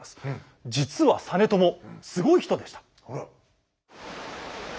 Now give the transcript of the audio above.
実は実朝すごい人でした。